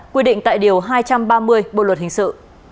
quy định tại điều hai trăm ba mươi bộ luật hình sự